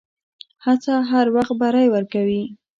هڅه هر وخت بری ورکوي.